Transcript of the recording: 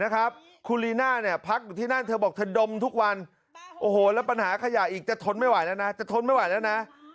ครูลีน่าพักอยู่ที่นั่นเธอบอกเธอดมทุกวันแล้วปัญหาขยะอีกจะทนไม่ไหวแล้วนะ